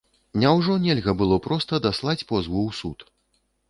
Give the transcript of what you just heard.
Няўжо нельга было проста даслаць позву ў суд?